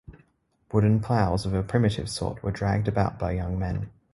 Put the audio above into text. Wooden ploughs of a primitive sort were dragged about by young men.